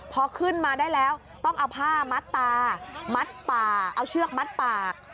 พอขึ้นมาได้แล้วต้องเอาผ้ามัดตามัดปากเอาเชือกมัดปาก